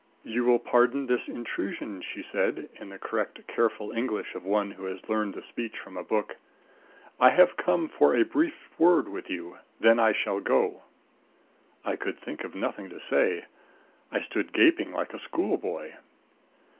"You will pardon this intrusion," she said in the correct careful English of one who has learned the speech from a book. "I have come for a brief word with you then I shall go." I could think of nothing to say. I stood gaping like a schoolboy.